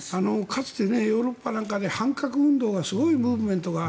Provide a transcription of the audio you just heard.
かつてヨーロッパなんかで反核運動ですごいムーブメントが。